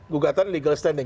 gugatan legal standing